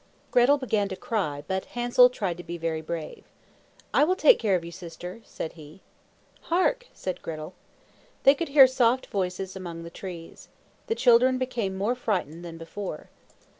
Gretel began to cry, but Hansel tried to be very brave. "I will take care of you, sister," said he. "Hark!" said Gretel. They could hear soft voices among the trees. The children became more frightened than before.